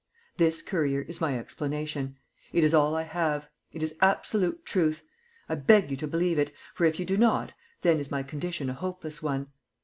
This, Currier, is my explanation. It is all I have. It is absolute truth. I beg you to believe it, for if you do not, then is my condition a hopeless one.